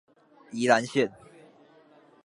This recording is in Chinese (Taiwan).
宜蘭線